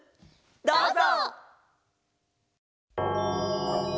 どうぞ！